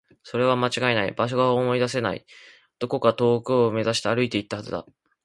それは間違いない。場所が思い出せない。どこか遠くを目指して歩いていったはずだ。